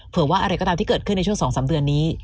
ว่าอะไรก็ตามที่เกิดขึ้นในช่วง๒๓เดือนนี้